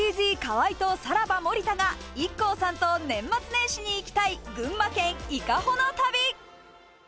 Ａ．Ｂ．Ｃ−Ｚ・河合と、さらば・森田がＩＫＫＯさんと年末年始に行きたい群馬県伊香保の旅。